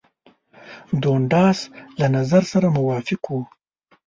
دونډاس له نظر سره موافق وو.